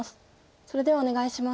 それではお願いします。